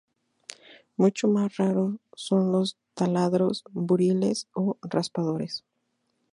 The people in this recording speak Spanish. Mucho más raros son los taladros, buriles o raspadores.